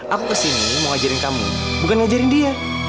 aku kesini mau ngajarin kamu bukan ngajarin dia